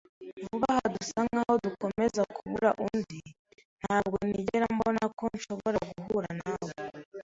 Vuba aha dusa nkaho dukomeza kubura undi. Ntabwo nigera mbona ko nshobora guhura na we.